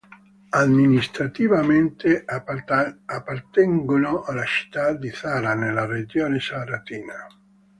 Amministrativamente appartengono alla città di Zara, nella regione zaratina.